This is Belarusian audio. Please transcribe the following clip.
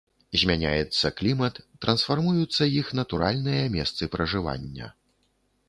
Змяняецца клімат, трансфармуюцца іх натуральныя месцы пражывання.